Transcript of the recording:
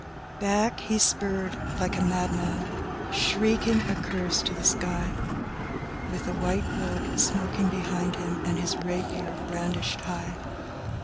IX Back, he spurred like a madman, shrieking a curse to the sky, With the white road smoking behind him and his rapier brandished high!